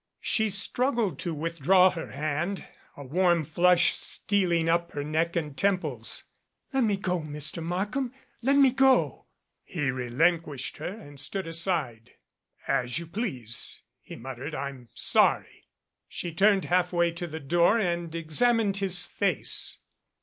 She struggled to withdraw her hand, a warm flush stealing up her neck and temples. "Let me go, Mr. Markham. Let me go." He relinquished her and stood aside. 54 THE RESCUE "As you please," he muttered. "I'm sorry " She turned, halfway to the door and examined his face.